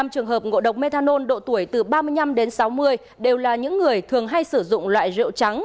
một mươi trường hợp ngộ độc methanol độ tuổi từ ba mươi năm đến sáu mươi đều là những người thường hay sử dụng loại rượu trắng